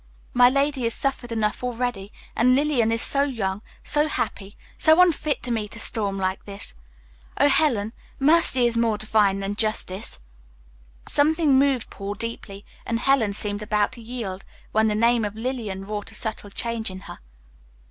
My lady has suffered enough already, and Lillian is so young, so happy, so unfit to meet a storm like this. Oh, Helen, mercy is more divine than justice." Something moved Paul deeply, and Helen seemed about to yield, when the name of Lillian wrought a subtle change in her.